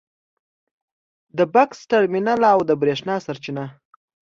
د بکس ترمینل او د برېښنا سرچینه